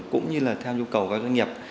cũng như là theo nhu cầu của các doanh nghiệp